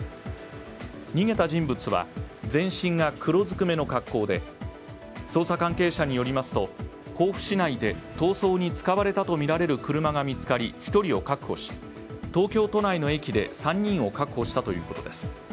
逃げた人物は全身が黒ずくめの格好で捜査関係者によりますと甲府市内で逃走に使われたとみられる車がが見つかり１人を確保東京都内の駅で３人を確保したということです。